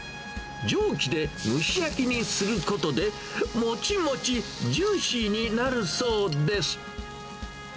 蒸気で蒸し焼きにすることで、もちもちジューシーになるそうです。